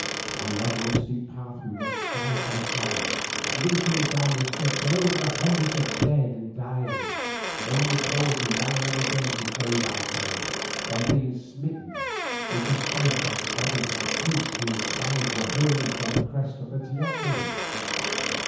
Along the steep path we rushed side by side, leaping down the steps and over the hundreds of dead and dying, only pausing now and again to save ourselves from being smitten into space by the bodies of the priests whom the Spaniards were hurling from the crest of the teocalli.